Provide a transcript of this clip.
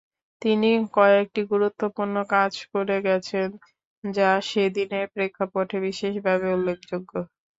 তিনি কয়েকটি গুরুত্বপূর্ণ কাজ করে গেছেন, যা সেদিনের প্রেক্ষাপটে বিশেষভাবে উল্লেখযোগ্য।